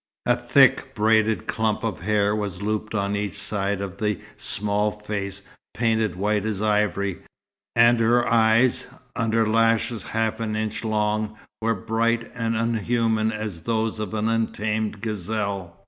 A thick, braided clump of hair was looped on each side of the small face painted white as ivory, and her eyes, under lashes half an inch long, were bright and unhuman as those of an untamed gazelle.